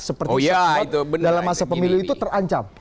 seperti sebuah dalam masa pemilih itu terancam